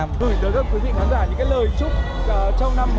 mời các quý vị khán giả những lời chúc